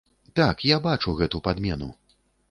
Так, я бачу гэту падмену.